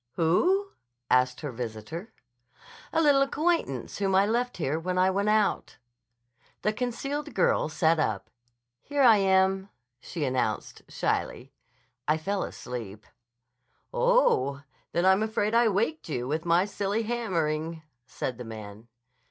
"Who?" asked her visitor. "A little acquaintance whom I left here when I went out." The concealed girl sat up. "Here I am," she announced shyly. "I fell asleep." "Oh, then I'm afraid I waked you up with my silly hammering," said the man.